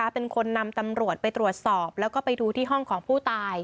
เป็นคนนำตำรวจไปตรวจสอบแล้วก็ไปดูที่ห้องของผู้ตาย